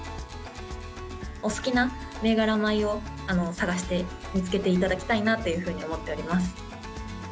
お好きな銘柄米を探して、見つけていただきたいなというふうに思っております。